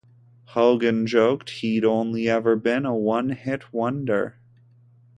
Hogan joked he'd only ever been a "one-hit wonder".